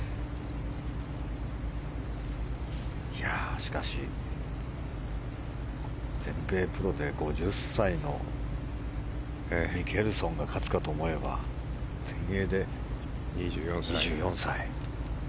しかし、全米プロで５０歳のミケルソンが勝つかと思えば全英で２４歳。